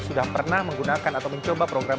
sudah pernah menggunakan atau mencoba program